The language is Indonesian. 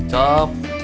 ada di sinip